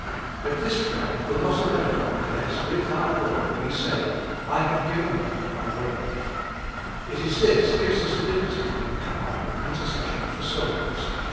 But this prayer will not avail unless with our Lord we say, " I have given them Thy word ;" it is this gives us liberty and power in intercession for souls.